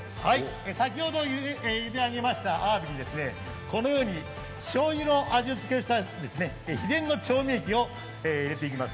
先ほど茹で上げましたあわびにこのようにしょうゆで味付けをしまして秘伝の調味液を入れていきます。